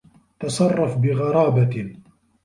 تصرّف بغرابة.